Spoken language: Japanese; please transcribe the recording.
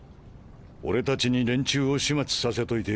俺たちに連中を始末させといて。